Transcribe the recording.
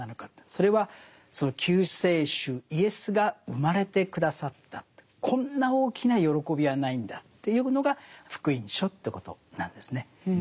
それはその救世主イエスが生まれて下さったこんな大きな喜びはないんだというのが「福音書」ということなんですね。